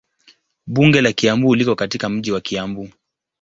Bunge la Kiambu liko katika mji wa Kiambu.